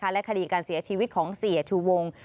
และคดีการเสียชีวิตของเสียชูวง